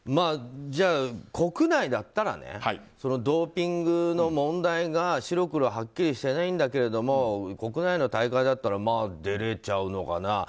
じゃあ、国内だったらドーピングの問題が白黒はっきりしてないんだけれども国内の大会だったらまあ、出れちゃうのかな。